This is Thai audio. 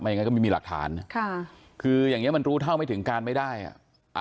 อย่างนั้นก็ไม่มีหลักฐานค่ะคืออย่างเงี้มันรู้เท่าไม่ถึงการไม่ได้อ่ะ